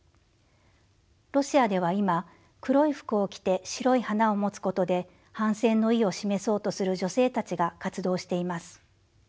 ロシアでは今黒い服を着て白い花を持つことで反戦の意を示そうとする女性たちが活動しています。